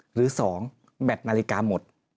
หรือ๒แบตนาฬิกาหมด